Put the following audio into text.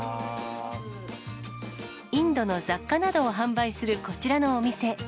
インドの雑貨などを販売するこちらのお店。